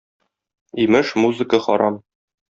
Имеш, музыка харам!